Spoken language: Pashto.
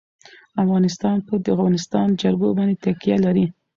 افغانستان په د افغانستان جلکو باندې تکیه لري.